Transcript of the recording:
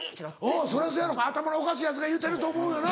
うんそりゃそやろ頭のおかしいヤツが言うてると思うよな。